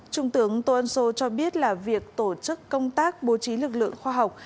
trung tướng tô ân sô cho biết là việc tổ chức công tác bố trí lực lượng khoa học